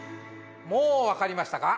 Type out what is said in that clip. もうわかりましたか？